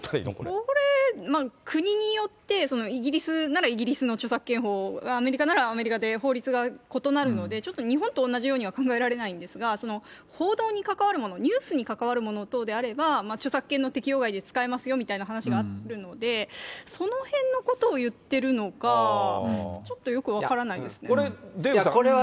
これ、国によって、イギリスならイギリスの著作権法、アメリカならアメリカで法律が異なるので、ちょっと日本と同じようには考えられないんですが、報道に関わるもの、ニュースに関わるもの等であれば、著作権の適用外で使えますよみたいな話があるので、そのへんのことを言ってるのか、ちょっとよくこれ、デーブさん。